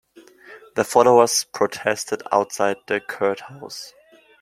Their followers protested outside the courthouse.